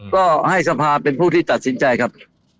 ก็ให้สภาเป็นผู้ที่ตัดสินใจครับ